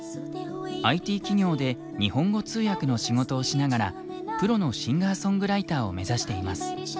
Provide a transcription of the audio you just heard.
ＩＴ企業で日本語通訳の仕事をしながらプロのシンガーソングライターを目指しています。